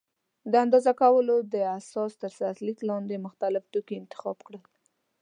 د اندازه کولو د اساس تر سرلیک لاندې مختلف توکي انتخاب کړل.